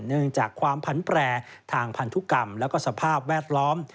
เนื่องจากความผันแปรทางพันธุกรรมแล้วก็สภาพแวดล้อม